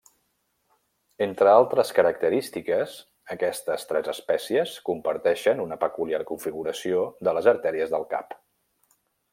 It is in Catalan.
Entre altres característiques, aquestes tres espècies comparteixen una peculiar configuració de les artèries del cap.